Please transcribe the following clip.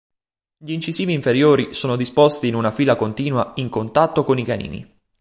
Gli incisivi inferiori sono disposti in una fila continua in contatto con i canini.